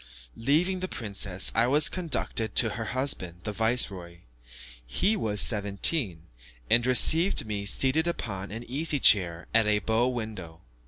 Leaving the princess, I was conducted to her husband, the viceroy. He was seventeen, and received me seated upon an easy chair at a bow window.